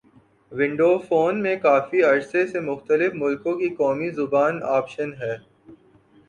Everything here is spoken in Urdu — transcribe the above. ونڈو فون میں کافی عرصے سے مختلف ملکوں کی قومی زبان آپشن ہے